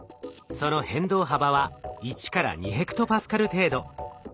その変動幅は１２ヘクトパスカル程度。